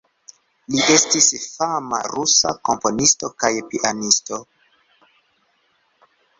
Li estis fama rusa komponisto kaj pianisto.